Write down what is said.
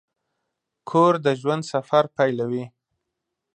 کور د ژوند سفر پیلوي.